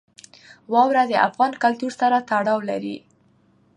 واوره د افغان کلتور سره تړاو لري.